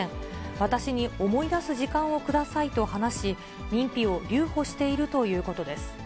私に思い出す時間をくださいと話し、認否を留保しているということです。